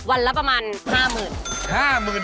วันละประมาณ๕๐๐๐บาท